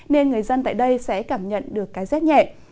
nên người dân tại đây sẽ cảm nhận được cái rét nhẹ